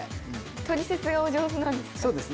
「トリセツ」がお上手なんですね。